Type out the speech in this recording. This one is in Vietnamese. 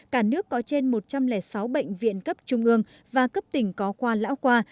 cả nước có trên một trăm linh sáu bệnh viện cấp trung ương và cấp tỉnh có khoa lão khoa